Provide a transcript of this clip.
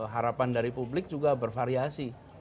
harapan dari publik juga bervariasi